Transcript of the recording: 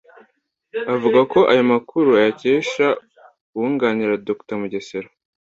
avuga ko ayo makuru ayakesha uwunganira Dr Mugesera